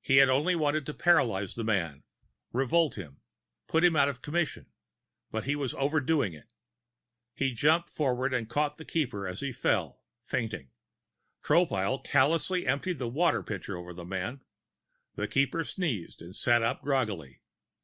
He had only wanted to paralyze the man, revolt him, put him out of commission, but he was overdoing it. He jumped forward and caught the Keeper as he fell, fainting. Tropile callously emptied the water pitcher over the man. The Keeper sneezed and sat up groggily.